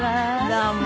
どうも。